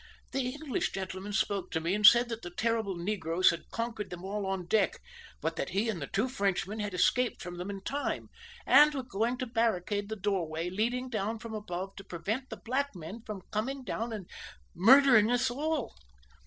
"The English gentleman spoke to me and said that the terrible negroes had conquered them all on deck, but that he and the two Frenchmen had escaped from them in time, and were going to barricade the doorway leading down from above to prevent the black men from coming below and murdering us all.